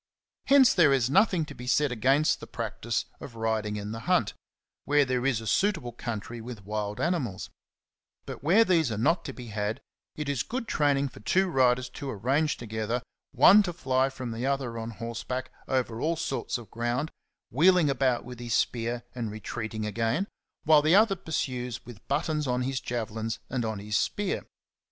Hence there is nothing to be said against the practice of riding in the hunt, where there is a suitable country with wild animals ;^^ but where these are not to be had, it is good training for two riders to arrange together, one to fly from the other on horse back over all sorts of ground, wheeling about with his spear and retreating again, while the other pursues with buttons on his javelins and on his spear.